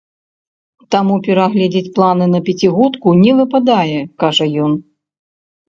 Таму пераглядаць планы на пяцігодку не выпадае, кажа ён.